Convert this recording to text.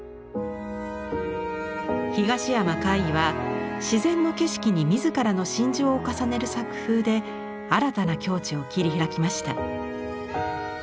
東山魁夷は自然の景色に自らの心情を重ねる作風で新たな境地を切り開きました。